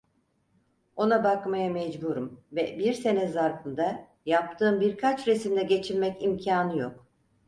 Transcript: Ona bakmaya mecburum ve bir sene zarfında yaptığım birkaç resimle geçinmek imkânı yok…